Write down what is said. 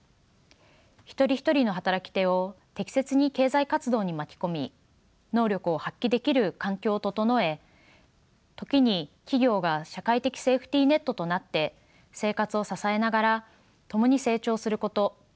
一人一人の働き手を適切に経済活動に巻き込み能力を発揮できる環境を整え時に企業が社会的セーフティーネットとなって生活を支えながら共に成長すること。